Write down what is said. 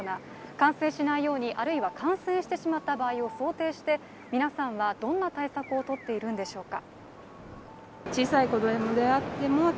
感染しないように、あるいは感染してしまった場合を想定して皆さんはどんな対策を取っているんでしょうか。